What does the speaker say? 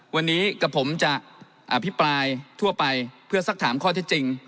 วันนี้กับผมจะอภิปรายทั่วไปเพื่อสักถามข้อเท็จจริง